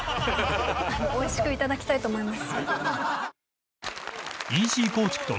おいしくいただきたいと思います。